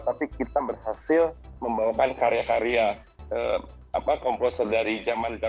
tapi kita berhasil membawakan karya karya komposer dari zaman